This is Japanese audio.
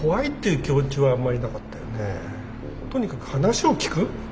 とにかく話を聞く。